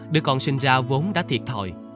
đứa con sinh ra vốn đã thiệt thòi